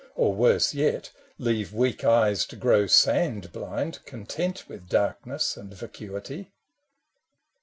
Or, worse yet, leave weak eyes to grow sand blind, Content with darkness and vacuity.